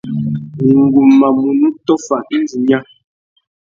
Ngu má munú tôffa indi nya.